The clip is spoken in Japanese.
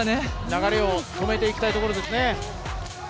流れを止めていきたいところですね。